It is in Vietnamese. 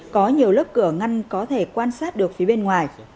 có nhiều lớp cửa ngăn có thể quan sát được phía bên ngoài